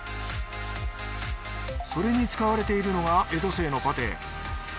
それに使われているのが江戸清のパテ。